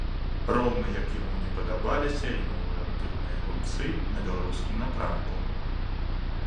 Роўна як яму не падабаліся і новыя актыўныя гульцы на беларускім напрамку.